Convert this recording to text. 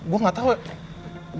gue gak tau ya